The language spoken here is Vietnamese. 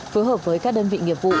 phối hợp với các đơn vị nghiệp vụ